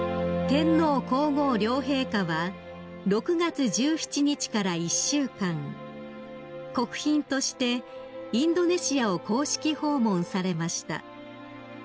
［天皇皇后両陛下は６月１７日から１週間国賓としてインドネシアを公式訪問されました］